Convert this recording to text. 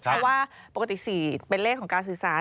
เพราะว่าปกติ๔เป็นเลขของการสื่อสาร